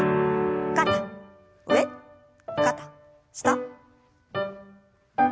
肩上肩下。